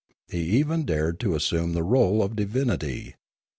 He even dared to assume the r61e of divinity.